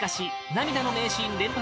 涙の名シーン連発！